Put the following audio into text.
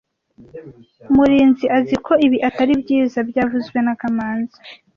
Murinzi azi ko ibi atari byiza byavuzwe na kamanzi